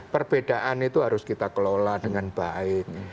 perbedaan itu harus kita kelola dengan baik